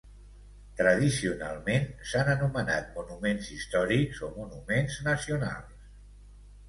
Tradicionalment s'han anomenat monuments històrics o monuments nacionals.